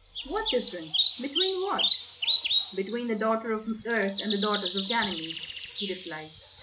"What difference? Between what?" "Between the daughter of Earth and the daughters of Ganymede," he replied.